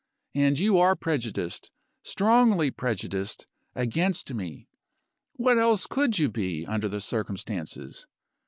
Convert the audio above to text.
And you are prejudiced, strongly prejudiced, against me what else could you be, under the circumstances?